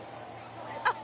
あっ！